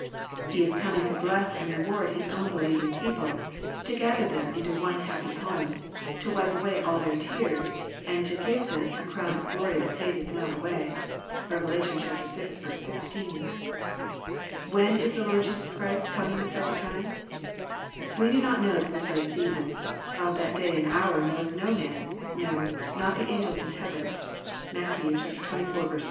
He is coming to bless and reward His own believing people, to gather them into one happy home, to wipe away all their tears, and to give them a crown of glory that fadeth not away. (Rev. vi. 16.) When is the Lord Jesus Christ coming the second time ? We do not know the precise season. " Of that day and hour knoweth no man : no, not the angels in heaven." (Matt. xxiv. 36.)